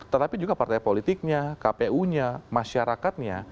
tetapi juga partai politiknya kpu nya masyarakatnya